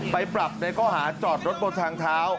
ไปปรับในข้อหาจอดรถบนทางเท้า